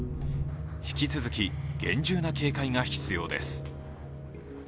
引き続き厳重な警戒が必要です。